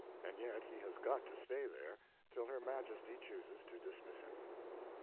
and yet he has got to stay there till her Majesty chooses to dismiss him.